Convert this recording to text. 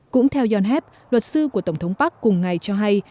cũng theo yonev luật sư của tổng thống park cùng ngày cho hay